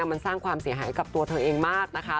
มันสร้างความเสียหายกับตัวเธอเองมากนะคะ